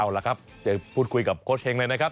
เอาละครับเดี๋ยวพูดคุยกับโคชเฮงเลยนะครับ